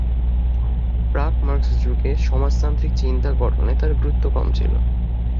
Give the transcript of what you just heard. প্রাক-মার্কস যুগে সমাজতান্ত্রিক চিন্তা গঠনে তার গুরুত্ব কম ছিলো না।